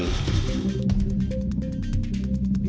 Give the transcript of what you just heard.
kemudian juga potensi terjadinya